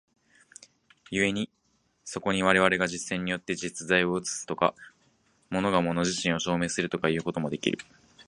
故にそこに我々が実践によって実在を映すとか、物が物自身を証明するとかいうこともできる。